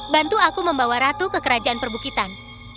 bantu aku membawa ratu ke kerajaan perbukitan